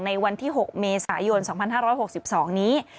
ในวันที่๖เมษายน๒๕๖๒นี้